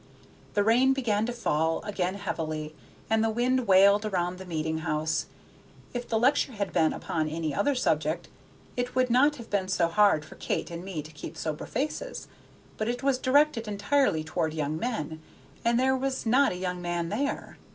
The rain began to fall again heavily, and the wind wailed around the meeting house. If the lecture had been upon any other subject it would not have been so hard for Kate and me to keep sober faces; but it was directed entirely toward young men, and there was not a young man there.